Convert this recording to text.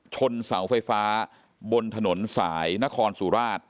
ชนเสาไฟฟ้าบนถนนสายนครสุราช